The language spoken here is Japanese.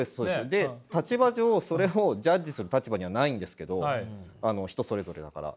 で立場上それをジャッジする立場にはないんですけどあの人それぞれだから。